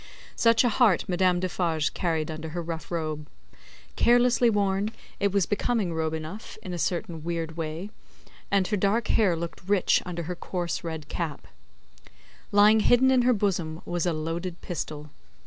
Such a heart Madame Defarge carried under her rough robe. Carelessly worn, it was a becoming robe enough, in a certain weird way, and her dark hair looked rich under her coarse red cap. Lying hidden in her bosom, was a loaded pistol.